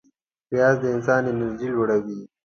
پیاز د انسان انرژي لوړوي